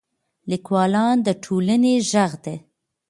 لیکوالان د ټولنې ږغ دي.